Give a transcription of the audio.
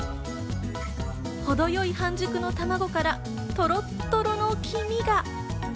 程よい半熟のたまごからとろっとろの黄身が。